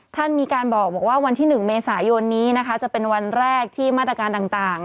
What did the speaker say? ท่านมีการบอกว่าวันที่๑เมษายนนี้นะคะจะเป็นวันแรกที่มาตรการต่าง